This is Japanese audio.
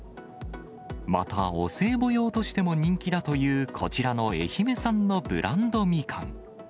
また、お歳暮用としても人気だというこちらの愛媛産のブランドみかん。